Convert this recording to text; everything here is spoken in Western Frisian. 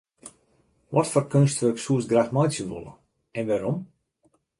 Watfoar keunstwurk soest graach meitsje wolle en wêrom?